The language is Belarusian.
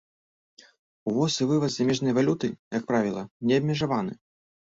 Увоз і вываз замежнай валюты, як правіла, не абмежаваны.